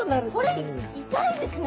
これ痛いですね。